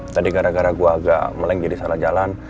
tadi gara gara gue agak meleng jadi salah jalan